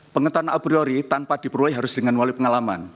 pengetahuan abriori tanpa diperoleh harus dengan wali pengalaman